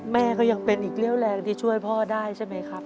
แม่ก็ยังเป็นอีกเรี่ยวแรงที่ช่วยพ่อได้ใช่ไหมครับ